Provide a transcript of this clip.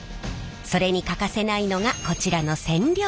それに欠かせないのがこちらの染料のりです。